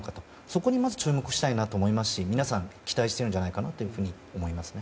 そこにまず注目したいと思いますし皆さん、期待しているんじゃないかなと思います。